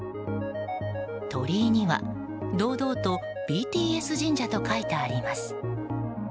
鳥居には堂々と「ＢＴＳ神社」と書いてあります。